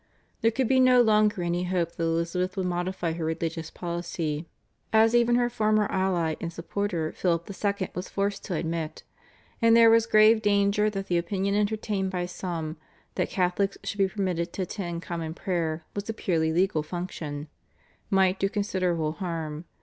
There could no longer be any hope that Elizabeth would modify her religious policy, as even her former ally and supporter Philip II. was forced to admit, and there was grave danger that the opinion entertained by some, that Catholics should be permitted to attend Common Prayer was a purely legal function, might do considerable harm.